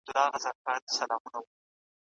د مودو ستړي